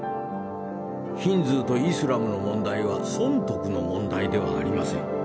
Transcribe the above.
ヒンズーとイスラムの問題は損得の問題ではありません。